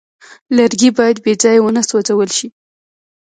لرګی باید بېځایه ونه سوځول شي.